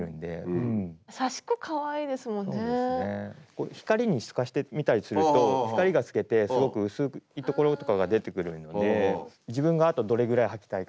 こう光に透かして見たりすると光が透けてすごく薄い所とかが出てくるので自分があとどれぐらいはきたいかとか。